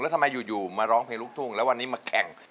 แล้วทำไมอยู่มาร้องเพลงลูกทุ่งแล้ววันนี้มาแข่ง